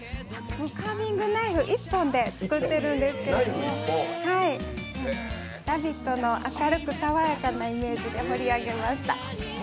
カービングナイフ１本で作ってるんですけれども「ラヴィット！」の明るく爽やかなイメージで彫り上げました。